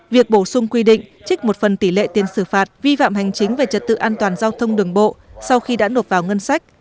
việc bổ sung quy định trích một phần tỷ lệ tiền xử phạt vi phạm hành chính về trật tự an toàn giao thông đường bộ sau khi đã nộp vào ngân sách